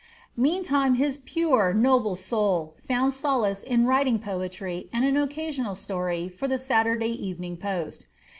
Meantime his pure, noble soul found solace in writing poetry and an occasional story for the "Saturday Evening Post."